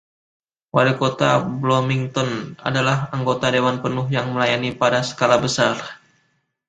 Walikota Bloomington adalah anggota dewan penuh yang melayani pada skala besar.